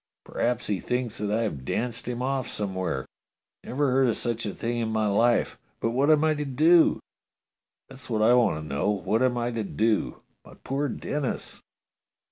P'raps he thinks that I have danced him off somewhere. Never heard of such a thing in my life. But what am I to do? That's what I want to know! What am I to do? My poor Denis!